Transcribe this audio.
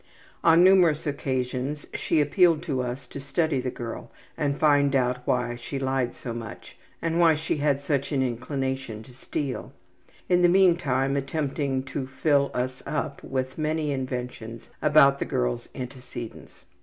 On numerous occasions she appealed to us to study the girl and find out why she lied so much and why she had such an inclination to steal, in the meantime attempting to fill us up with many inventions about the girl's antecedents.